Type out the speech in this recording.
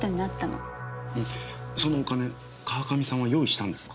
そのお金川上さんは用意したんですか？